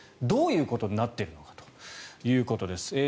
どういうことになっているのかということです。